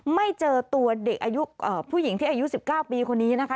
ไม่เจอตัวผู้หญิงอายุ๑๙ปีคนนี้นะคะ